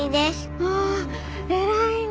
ああ偉いね。